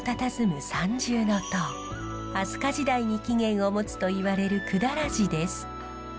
飛鳥時代に起源を持つといわれる百済寺です。